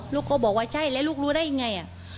เขาบอกว่าใช่แล้วลูกรู้ได้ยังไง